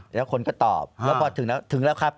แล้วคนก็ตอบแล้วพอถึงแล้วถึงแล้วครับ